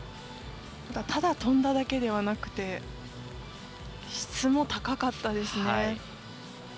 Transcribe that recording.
ただ跳んだだけではなくて質も高かったですね。